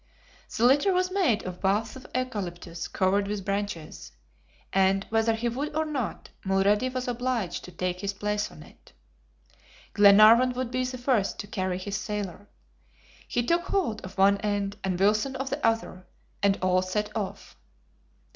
The litter was made of boughs of eucalyptus covered with branches; and, whether he would or not, Mulrady was obliged to take his place on it. Glenarvan would be the first to carry his sailor. He took hold of one end and Wilson of the other, and all set off.